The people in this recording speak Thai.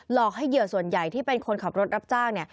อกให้เหยื่อส่วนใหญ่ที่เป็นคนขับรถรับจ้างเนี่ย